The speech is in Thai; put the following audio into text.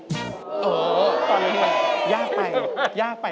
อ๋อตอนนี้ไงครับยากไป